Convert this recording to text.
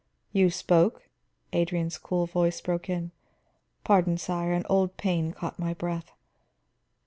"You spoke?" Adrian's cool voice broke in. "Pardon, sire; an old pain caught my breath."